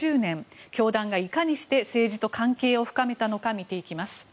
教団がいかにして政治と関係を深めたのか見ていきます。